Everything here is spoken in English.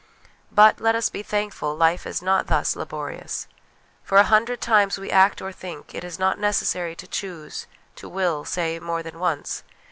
But, let us be thankful, life is not thus laborious. For a hundred times we act or think, it is not necessary to choose, to will, say, more than once.